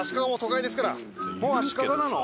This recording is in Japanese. もう足利なの？